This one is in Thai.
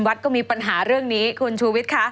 วัดก็มีปัญหาเรื่องนี้คุณชูวิทย์คะ